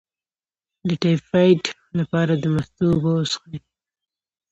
د ټایفایډ لپاره د مستو اوبه وڅښئ